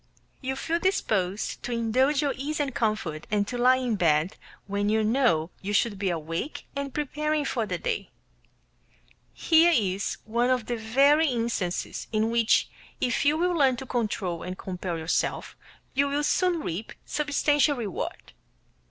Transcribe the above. You feel disposed to indulge your ease and comfort, and to lie in bed when you know you should be awake and preparing for the day. Here is one of the very instances in which if you will learn to control and compel yourself you will soon reap substantial reward.